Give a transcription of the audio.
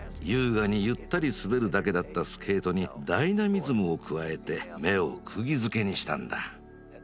優雅にゆったり滑るだけだったスケートにダイナミズムを加えて目をくぎづけにしたんだ。